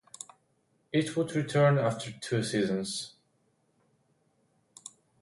It would return after two seasons.